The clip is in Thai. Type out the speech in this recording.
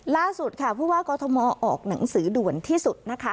ล่าสุดค่ะผู้ว่ากอทมออกหนังสือด่วนที่สุดนะคะ